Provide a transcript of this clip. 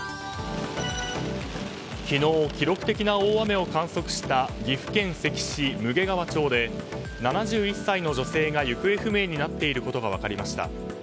昨日、記録的な大雨を観測した岐阜県関市武芸川町で７１歳の女性が行方不明になっていることが分かりました。